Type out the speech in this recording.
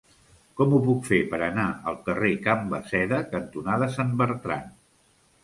Com ho puc fer per anar al carrer Can Basseda cantonada Sant Bertran?